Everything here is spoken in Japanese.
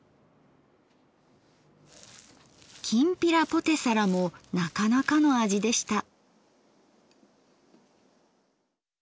きんぴらポテサラもなかなかの味でした。